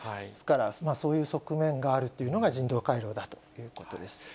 ですから、そういう側面があるというのが人道回廊だということです。